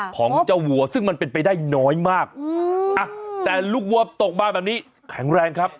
ของเจ้าวัวซึ่งมันเป็นไปได้น้อยมากแต่ลูกวัวตกมาแบบนี้แข็งแรงครับ